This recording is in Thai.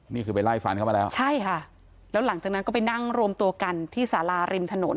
นี่คือไปไล่ฟันเข้ามาแล้วใช่ค่ะแล้วหลังจากนั้นก็ไปนั่งรวมตัวกันที่สาราริมถนน